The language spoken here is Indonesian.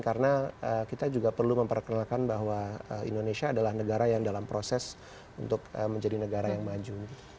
karena kita juga perlu memperkenalkan bahwa indonesia adalah negara yang dalam proses untuk menjadi negara yang maju